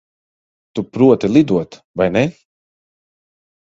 Tu proti lidot, vai ne?